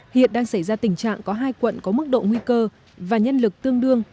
hiện đang xảy ra tình trạng có hai quận có mức độ nguy cơ và nhân lực tương đương